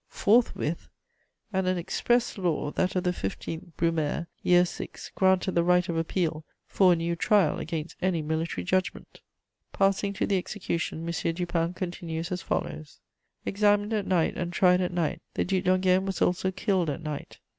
FORTHWITH! And an express law, that of the 15 Brumaire, Year VI, granted the right of appeal for a new trial against any military judgment!" Passing to the execution, M. Dupin continues as follows: "Examined at night and tried at night, the Duc d'Enghien was also killed at night.